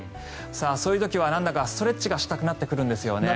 そういう時はなんだかストレッチがしたくなってくるんですよね。